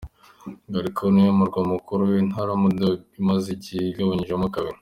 Galkao niwo murwa mukuru w’intara Mudug imaze igihe igabanyijwemo kabiri.